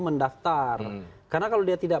mendaftar karena kalau dia tidak